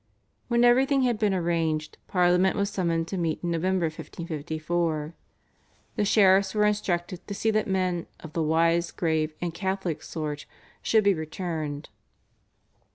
When everything had been arranged Parliament was summoned to meet in November 1554. The sheriffs were instructed to see that men "of the wise, grave and Catholic sort" should be returned.